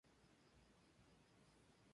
Tiene un hermano menor, Matty Jr.